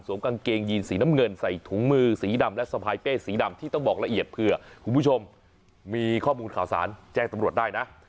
กางเกงยีนสีน้ำเงินใส่ถุงมือสีดำและสะพายเป้สีดำที่ต้องบอกละเอียดเผื่อคุณผู้ชมมีข้อมูลข่าวสารแจ้งตำรวจได้นะ